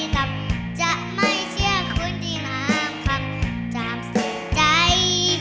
แต่ผมจะไม่เชื่อคุณที่ล้ามคำจามเสียใจ